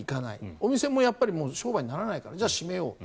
お店も商売にならないからじゃあ、閉めよう。